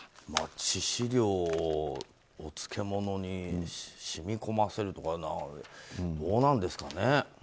致死量を漬物に染み込ませるとかどうなんですかね。